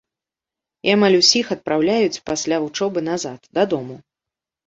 І амаль усіх адпраўляюць пасля вучобы назад, дадому.